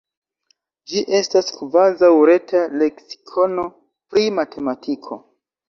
Ĝi estas kvazaŭ reta leksikono pri matematiko.